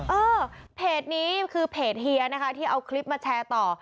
เออเพจนี้คือเพจเฮียนะคะที่เอาคลิปมาแชร์ต่อ